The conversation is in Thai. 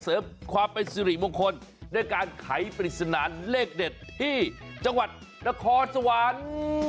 เสริมความเป็นสิริมงคลด้วยการไขปริศนาเลขเด็ดที่จังหวัดนครสวรรค์